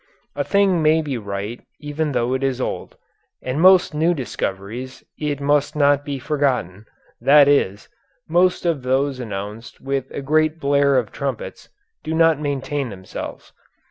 A thing may be right even though it is old, and most new discoveries, it must not be forgotten, that is, most of those announced with a great blare of trumpets, do not maintain themselves.